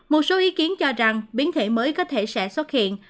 một số ý kiến cho rằng biến thể mới có thể sẽ xuất hiện